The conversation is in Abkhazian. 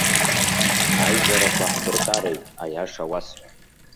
Аизарақәа ҳдыркареит, аиаша уасҳәап.